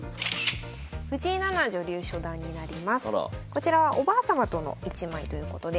こちらはおばあさまとの一枚ということで。